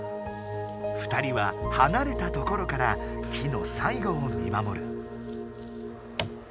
２人ははなれたところから木のさいごを見まもる。